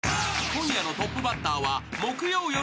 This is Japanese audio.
［今夜のトップバッターは］